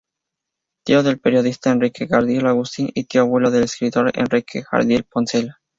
Tío del periodista Enrique Jardiel Agustín y tío-abuelo del escritor Enrique Jardiel Poncela.